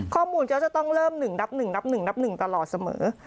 ข้อมูลก็จะต้องเริ่ม๑นับ๑นับ๑นับ๑ตลอดเสมอ